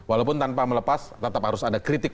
walaupun tanpa melepas tetap harus ada kritik